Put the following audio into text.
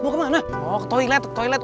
gimana gue gak mau bawel tuh